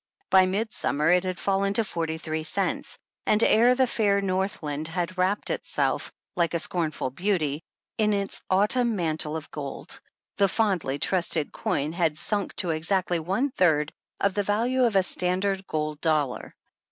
By midsummer, it had fallen to forty three cents, and ere the fair North land had wrapped itself, like a scornful beauty, in its Autumn mantle of gold, the fondly trusted coin had sunk to exactly one third of the value of a standard gold dollar.